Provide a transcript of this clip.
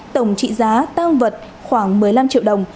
tổng trị giá tăng vật khoảng một mươi năm triệu đồng